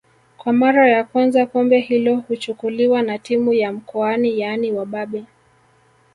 Kwa mara ya kwanza kombe hilo kuchukuliwa na timu ya mkoani yaani wababe